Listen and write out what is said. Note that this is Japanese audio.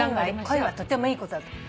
恋はとてもいいことだと思う。